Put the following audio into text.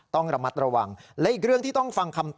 ต้องระมัดระวัง